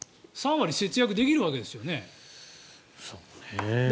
３割節約できるわけですよね。